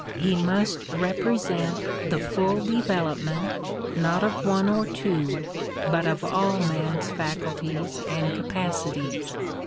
He must represent the full development, not of one or two, but of all man's faculties and capacities.